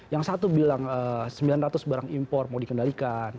yang satu bilang sembilan ratus barang impor mau dikendalikan